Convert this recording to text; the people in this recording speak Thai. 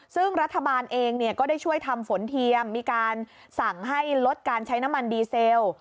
ซึ่งรัฐบาลเองก็ได้ช่วยทำฝนเทียมมีการสั่งให้ลดการใช้น้ำมันดีเซล